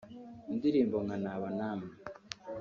Indirimbo nka ‘Naba Namwe